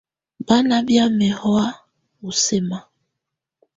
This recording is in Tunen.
Bá ná bɛnɛ̀á hɔ̀á u sɛma.